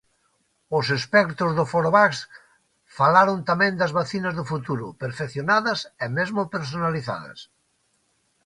Os expertos do Forovax falaron tamén das vacinas do futuro, perfeccionadas e mesmo personalizadas.